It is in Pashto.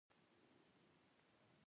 شتمن کسان لا پسې شتمن کیږي.